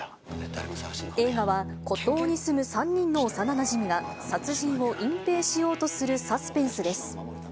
映画は、孤島に住む３人の幼なじみが、殺人を隠蔽しようとするサスペンスです。